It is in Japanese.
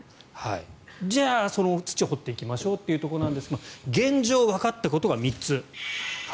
じゃあ、その土を掘っていきましょうというところですが現状わかったことが３つ。